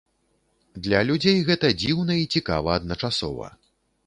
Для людзей гэта дзіўна і цікава адначасова.